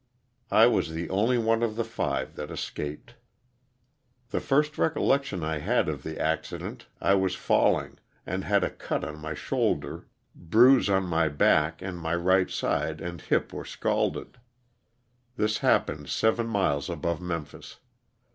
I was the only one of the five that escaped. The first recollection I had of the accident, I was falling, and had a cut on my shoulder, bruise on 286 LOSS OF THE SULTANA. my back and my right side and hip were scalded. This happened seven miles above Memphis.